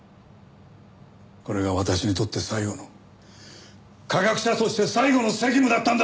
これが私にとって最後の科学者として最後の責務だったんだ！